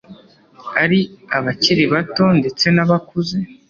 ali abakili bato ndetse n,abakuze